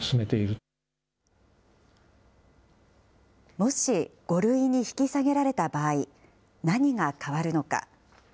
もし５類に引き下げられた場合、何が変わるのか。